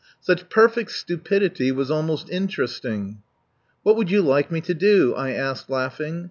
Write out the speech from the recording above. Such perfect stupidity was almost interesting. "What would you like me to do?" I asked, laughing.